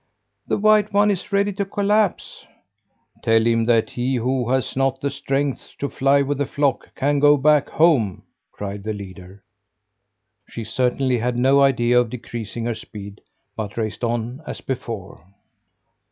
"The white one is ready to collapse." "Tell him that he who has not the strength to fly with the flock, can go back home!" cried the leader. She certainly had no idea of decreasing her speed but raced on as before.